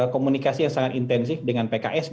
komunikasi yang sangat intensif dengan partai menengah